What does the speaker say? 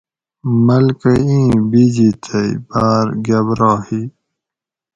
ملکہ ایں بِجی تئی باۤر گھبرا ہی